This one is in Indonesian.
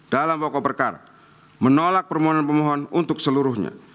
dalam pokok perkara menolak permohonan pemohon untuk seluruhnya